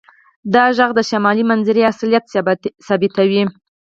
دا غږ د شمالي منظرې اصلیت ثابتوي